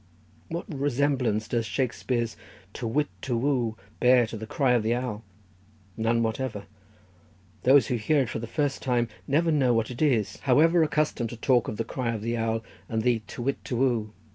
What resemblance does Shakespear's to whit to whoo bear to the cry of the owl? none whatever; those who hear it for the first time never know what it is, however accustomed to talk of the cry of the owl and to whit to whoo.